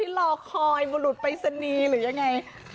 ที่รอคอยบุหรุดไปเสนีหรือยังไง